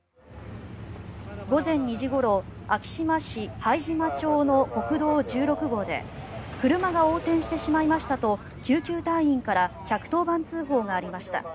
午前２時ごろ昭島市拝島町の国道１６号で車が横転してしまいましたと救急隊員から１１０番通報がありました。